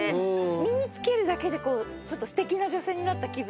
身に着けるだけでちょっと素敵な女性になった気分。